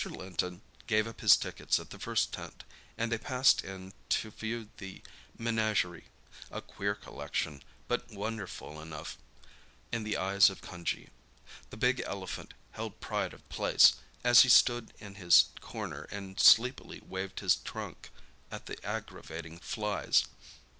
Linton gave up his tickets at the first tent, and they passed in to view the menagerie—a queer collection, but wonderful enough in the eyes of Cunjee. The big elephant held pride of place, as he stood in his corner and sleepily waved his trunk at the aggravating flies.